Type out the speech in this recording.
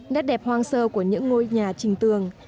nét đẹp hoang sơ của những ngôi nhà trình tường